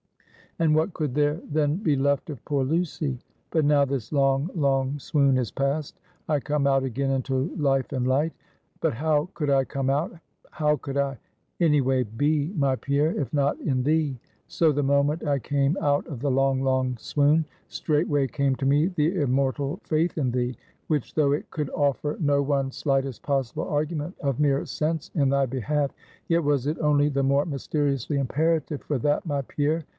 and what could there then be left of poor Lucy? But now, this long, long swoon is past; I come out again into life and light; but how could I come out, how could I any way be, my Pierre, if not in thee? So the moment I came out of the long, long swoon, straightway came to me the immortal faith in thee, which though it could offer no one slightest possible argument of mere sense in thy behalf, yet was it only the more mysteriously imperative for that, my Pierre.